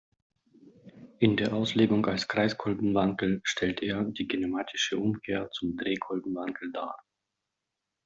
In der Auslegung als Kreiskolben-Wankel stellt er die kinematische Umkehr zum Drehkolben-Wankel dar.